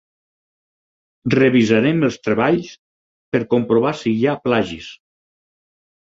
Revisarem els treballs per comprovar si hi ha plagis.